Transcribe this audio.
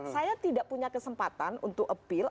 saya tidak punya kesempatan untuk appeal